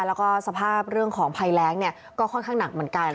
แล้วก็สภาพเรื่องของภัยแรงเนี่ยก็ค่อนข้างหนักเหมือนกัน